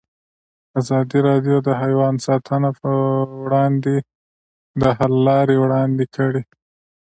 ازادي راډیو د حیوان ساتنه پر وړاندې د حل لارې وړاندې کړي.